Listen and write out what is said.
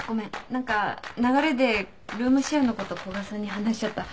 何か流れでルームシェアのこと古賀さんに話しちゃった。